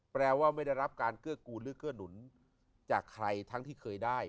แปลว่าไม่ได้รับการเกื้อกูลหรือเกื้อหนุนจากใครทั้งที่เคยได้